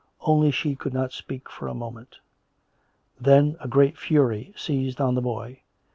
Only she could not speak for a moment. Then a great fury seized on the boy.